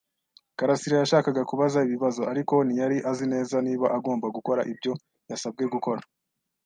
karasira yashakaga kubaza ibibazo, ariko ntiyari azi neza niba agomba gukora ibyo yasabwe gukora.